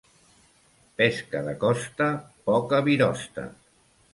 Pesca de costa, poca virosta.